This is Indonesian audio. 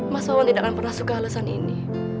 mas wawan tidak akan pernah suka halesan ini